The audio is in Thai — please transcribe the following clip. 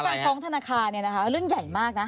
แต่ว่าการฟ้องธนาคารนี่นะครับเรื่องใหญ่มากนะ